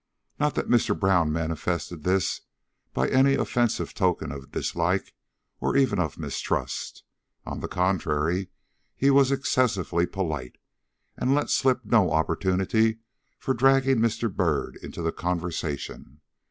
Not that Mr. Brown manifested this by any offensive token of dislike or even of mistrust. On the contrary, he was excessively polite, and let slip no opportunity of dragging Mr. Byrd into the conversation.